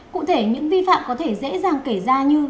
cụ thể những vi phạm có thể dễ dàng kể ra như